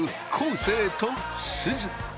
生とすず。